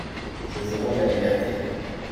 Je vous rends la liberté.